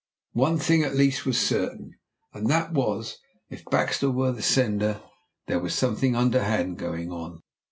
One thing at least was certain, and that was, if Baxter were the sender, there was something underhand going on.